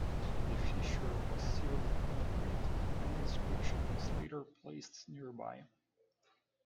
The fissure was sealed with concrete and an inscription was later placed nearby.